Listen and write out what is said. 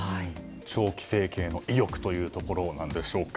長期政権への意欲というところなんでしょうか。